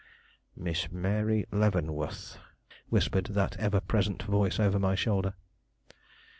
"Miss Mary Leavenworth," whispered that ever present voice over my shoulder.